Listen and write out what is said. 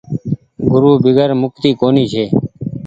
گورو بيگير مڪتي ڪونيٚ ڇي۔